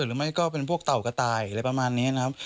หรือไม่ก็เป็นพวกเต่ากระต่ายอะไรประมาณนี้นะครับ